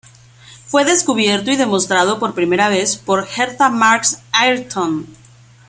Fue descubierto y demostrado por primera vez por Hertha Marks Ayrton.